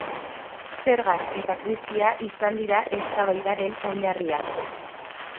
Zergak eta krisia izan dira eztabaidaren oinarria.